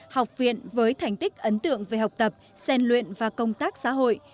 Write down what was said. học viện với thành tích ấn tượng về học tập xen luyện và công tác xã hội